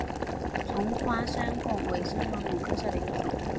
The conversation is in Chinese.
丛花山矾为山矾科山矾属下的一个种。